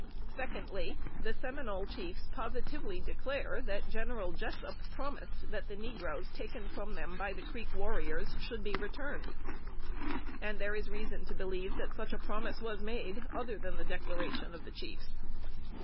Secondly. The Seminole chiefs positively declare that General Jessup promised that the negroes taken from them by the Creek warriors should be returned; and there is reason to believe that such a promise was made, other than the declaration of the chiefs.